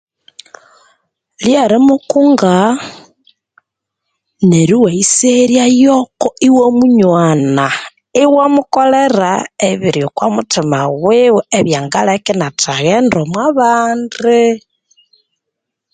Lyerimukunga neryo iwayisegheryayoko iwamunywanaa iwamukolera ebiri oku mithima wiwe ebyangaleka inyathaghenda omwa bandiii